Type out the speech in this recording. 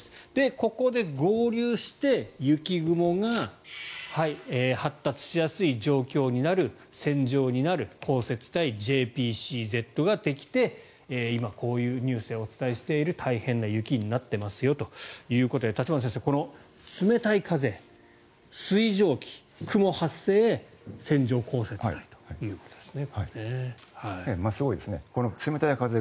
ここで合流して雪雲が発達しやすい状況になる線状になる、降雪帯ＪＰＣＺができて今、こういうニュースでお伝えしている大変な雪になってますよということで立花先生、この冷たい風水蒸気、雲発生線状降雪帯ということですね。